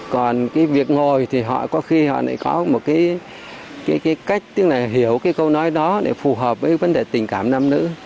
còn cái việc ngồi thì họ có khi họ lại có một cái cách tức là hiểu cái câu nói đó để phù hợp với vấn đề tình cảm nam nữ